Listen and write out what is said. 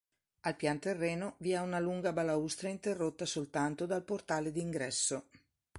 Al pian terreno vi è una lunga balaustra interrotta soltanto dal portale d'ingresso.